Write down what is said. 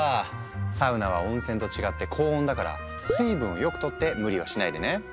サウナは温泉と違って高温だから水分をよくとって無理はしないでね。